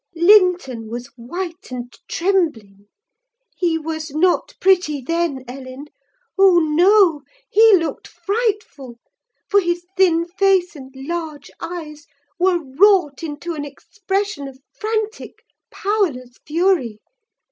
"Linton was white and trembling. He was not pretty then, Ellen: oh, no! he looked frightful; for his thin face and large eyes were wrought into an expression of frantic, powerless fury.